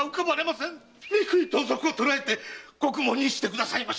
憎い盗賊を捕らえて獄門にしてくださいまし！